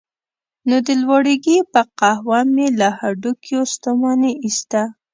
نو د لواړګي په قهوه به مې له هډوکیو ستوماني ایسته.